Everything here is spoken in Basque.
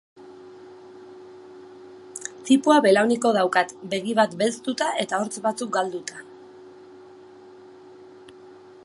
Tipoa belauniko daukat, begi bat belztuta eta hortz batzuk galduta.